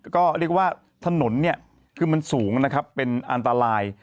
ก็เรียกว่าถนนเนี่ยคือมันสูงนะครับเป็นอันตราย